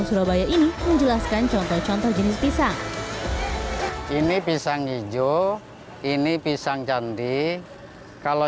surabaya ini menjelaskan contoh contoh jenis pisang ini pisang hijau ini pisang candi kalau